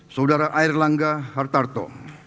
saudara air langga hartarto